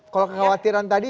kalau kekhawatiran tadi